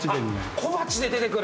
小鉢で出てくる。